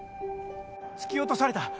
突き落とされた！